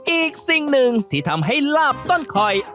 อีกสิ่งหนึ่งที่ทำให้ลาบต้นคอย